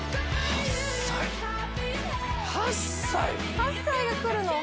・８歳が来るの？